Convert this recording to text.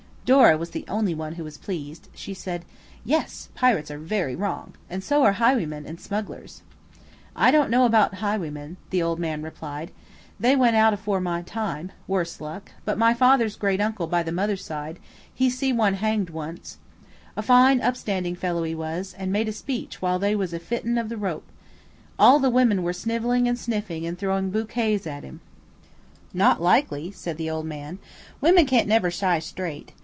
Dora was the only one who was pleased; She said– "Yes, pirates are very wrong. And so are highwaymen and smugglers." "I don't know about highwaymen," the old man replied; "they went out afore my time, worse luck; but my father's great uncle by the mother's side, he see one hanged once. A fine upstanding fellow he was, and made a speech while they was a fitting of the rope. All the women were snivelling and sniffing and throwing bokays at him." "Did any of the bouquets reach him?" asked the interested Alice. "Not likely," said the old man. "Women can't never shy straight.